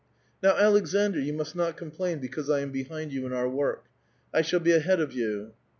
" Now, Aleksandr, you must not complain because I am behind you in our work. I shall be ahead of you."